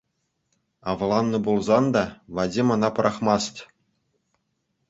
Авланнӑ пулсан та, Вадим ӑна пӑрахмасть.